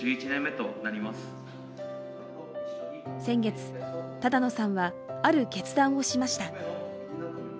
先月、只野さんはある決断をしました。